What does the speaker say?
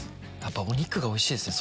お肉がおいしいですね